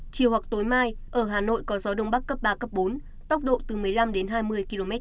chiều hoặc tối mai ở hà nội có gió đông bắc cấp ba bốn tốc độ từ một mươi năm hai mươi km trên giờ